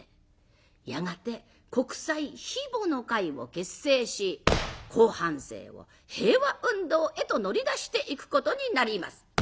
やがて「国際悲母の会」を結成し後半生を平和運動へと乗り出していくことになります。